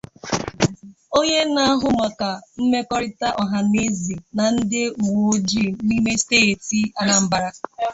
onye na-ahụ maka mmekọrịta ọhaneze na ndị uweojii n'ime steeti Anambra